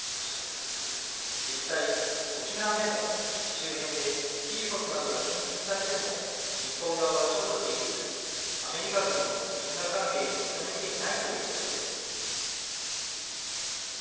実際、沖縄でも基地周辺でＰＦＯＳなどが検出されても日本側が調査できずアメリカ軍も因果関係を認めていないということです。